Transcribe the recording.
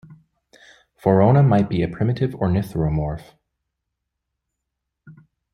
"Vorona" might be a primitive ornithuromorph.